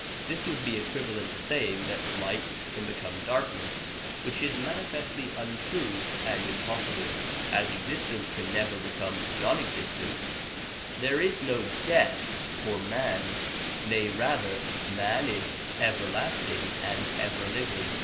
This would be equivalent to saying that light can become darkness, which is manifestly untrue and im possible. As existence can never become non existence, there is no death for man; nay, rather, man is everlasting and everliving.